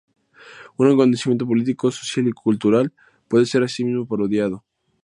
Un acontecimiento político, social o cultural puede ser asimismo parodiado.